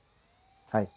はい。